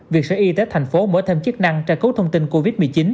việc sở y tế tp hcm mở thêm chức năng trả cứu thông tin covid một mươi chín